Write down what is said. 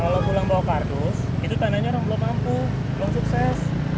kalau pulang bawa kardus itu tandanya orang belum mampu belum sukses